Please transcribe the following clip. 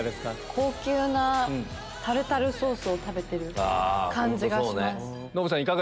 高級なタルタルソースを食べてる感じがします。